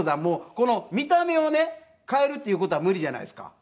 この見た目をね変えるっていう事は無理じゃないですか。